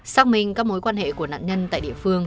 xác minh các mối quan hệ của nạn nhân tại địa phương